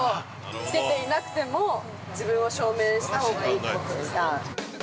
つけていなくても自分を証明したほうがいいってことですか。